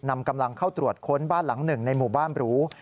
นำกำลังเข้าตรวจค้นบ้านหลังหนึ่งในหมู่บ้านหรู